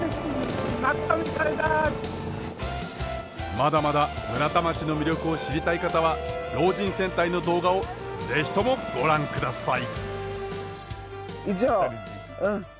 まだまだ村田町の魅力を知りたい方は老人戦隊の動画を是非ともご覧ください。